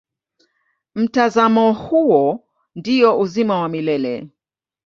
Mtazamo huo ndio uzima wa milele.